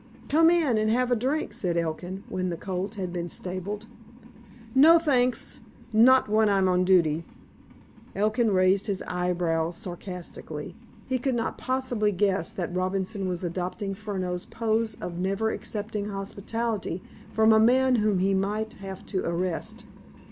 "Come in, and have a drink," said Elkin, when the colt had been stabled. "No, thanks—not when I'm on duty." Elkin raised his eyebrows sarcastically. He could not possibly guess that Robinson was adopting Furneaux's pose of never accepting hospitality from a man whom he might have to arrest.